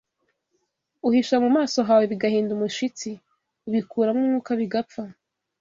Uhisha mu maso hawe bigahinda umushitsi, ubikuramo umwuka bigapfa,